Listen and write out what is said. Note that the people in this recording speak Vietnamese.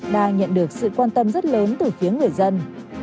đang nhận được sự quan tâm rất lớn từ phía người dân